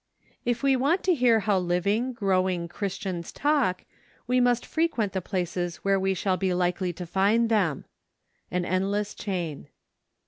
If we want to hear how living, grow¬ ing Christians talk, we must frequent the places where we shall be likely to find them. An Endless Chain.